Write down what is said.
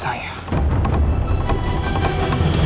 saya cuma mau ingetin ke anda